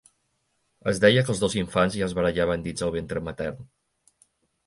Es deia que els dos infants ja es barallaven dins el ventre matern.